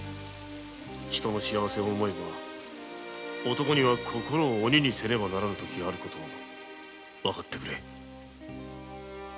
人の幸せを思えば男には心を鬼にせねばならぬ時がある事をわかってくれ」